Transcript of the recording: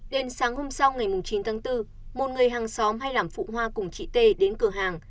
đến sáng hôm sau ngày chín tháng bốn một người hàng xóm hay làm phụ hoa cùng chị t đến cửa hàng